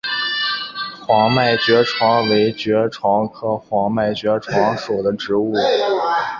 黄脉爵床为爵床科黄脉爵床属的植物。